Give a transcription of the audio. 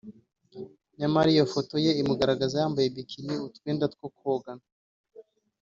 nyamara iyo ifoto ye imugaragaza yambaye bikini (utwenda two kogana)